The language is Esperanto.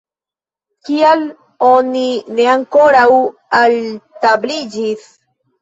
Kial oni ne ankoraŭ altabliĝis?